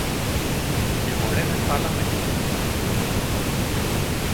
Wir wollen ein Parlament.